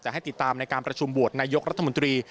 ให้ติดตามในการประชุมโหวตนายกรัฐมนตรี